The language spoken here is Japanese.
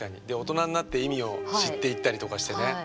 で大人になって意味を知っていったりとかしてね。